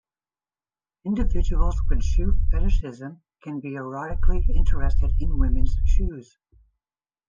Individuals with shoe fetishism can be erotically interested in women's shoes.